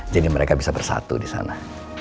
jadi mereka bisa bersatu disana